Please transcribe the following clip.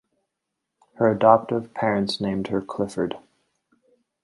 Her adoptive parents named her Clifford.